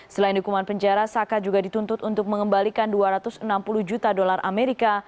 selain hukuman penjara saka juga dituntut untuk mengembalikan dua ratus enam puluh juta dolar amerika